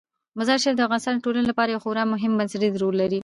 مزارشریف د افغانستان د ټولنې لپاره یو خورا بنسټيز رول لري.